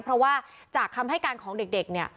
เพราะว่าจากคำให้การของเด็กเนี่ย